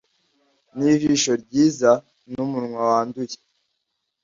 nijisho ryiza numunwa wanduye!